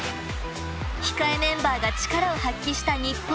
控えメンバーが力を発揮した日本。